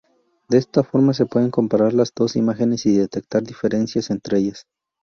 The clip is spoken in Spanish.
De esta forma se pueden comparar las dos imágenes y detectar diferencias entre ellas.